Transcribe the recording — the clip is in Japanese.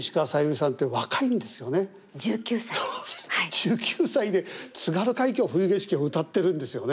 １９歳で「津軽海峡・冬景色」を歌ってるんですよね。